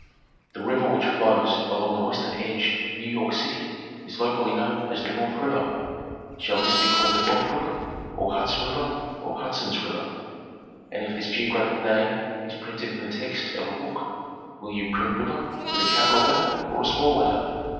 The river which flows along the western edge of New York City is locally known as the North River. Shall this be called the North River, or Hudson River, or Hudson's River? And if this geographic name is printed in the text of a book, will you print river with a capital letter or a small letter?